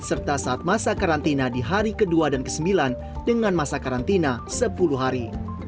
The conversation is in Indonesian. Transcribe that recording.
serta saat masa karantina di hari kedua dan ke sembilan dengan masa karantina sepuluh hari